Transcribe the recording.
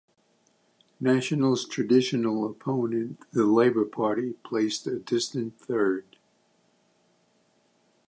National's traditional opponent, the Labour Party, placed a distant third.